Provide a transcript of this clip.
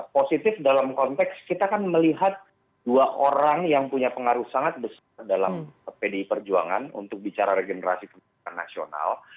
positif dalam konteks kita kan melihat dua orang yang punya pengaruh sangat besar dalam pdi perjuangan untuk bicara regenerasi kebijakan nasional